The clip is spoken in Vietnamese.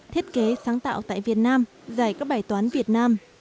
thiết kế sáng tạo tại việt nam giải các bài toán việt nam